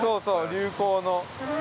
流行の。